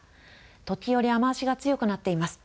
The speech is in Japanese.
時折、雨足が強くなっています。